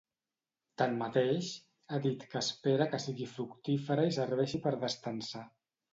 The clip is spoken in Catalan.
Tanmateix, ha dit que espera que sigui fructífera i serveixi per destensar.